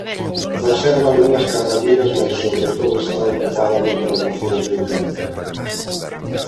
Conserva algunhas carballeiras mais sobre todo está ocupada por plantacións de eucalipto.